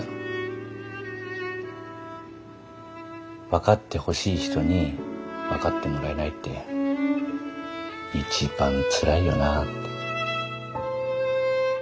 分かってほしい人に分かってもらえないって一番つらいよなって。